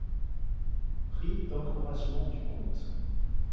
Prix d'encouragement du conte.